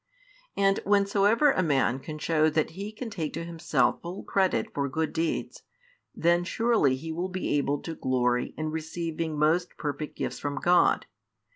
And whensoever a man can show that he can take to himself full credit for good deeds, then surely he will be able to glory in |186 receiving most perfect gifts from God.